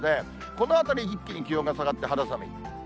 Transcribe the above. このあたり、一気に気温が下がって肌寒い。